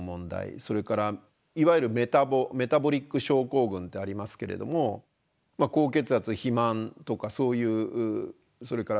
それからいわゆるメタボリック症候群ってありますけれども高血圧肥満とかそういうそれから糖代謝異常